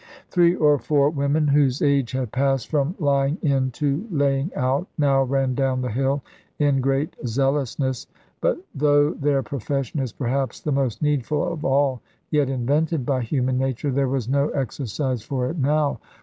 Three or four women, whose age had passed from lying in to laying out, now ran down the hill in great zealousness; but though their profession is perhaps the most needful of all yet invented by human nature, there was no exercise for it now.